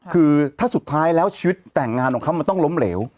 คือถ้าสุดท้ายแล้วชีวิตแต่งงานของเขามันต้องล้มเหลว